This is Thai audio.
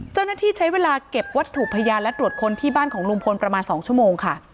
เจ้าหน้าที่ใช้เวลาเก็บวัตถุพยานและตรวจคนที่บ้านของลุงพลประมาณ๒ชั่วโมงค่ะ